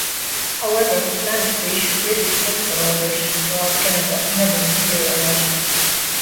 However, plans to issue British postal orders throughout Canada never materialised.